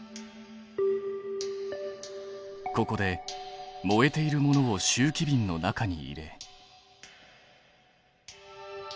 ここで燃えているものを集気びんの中に入れ。